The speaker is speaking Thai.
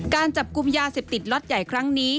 การจับกลุ่มยาเสพติดล็อตใหญ่ครั้งนี้